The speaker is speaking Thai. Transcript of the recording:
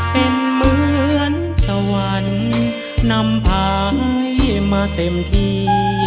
เป็นเหมือนสวรรค์นำพายมาเต็มที่